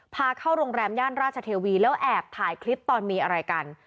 พาเข้าโรงแรมย่านราชเทวีแล้วแอบถ่ายคลิปตอนมีอะไรกัน